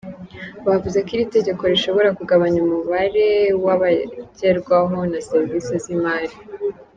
Bavuze ko iri tegeko rishobora kugabanya umubare w’abagerwaho na serivisi z’imari.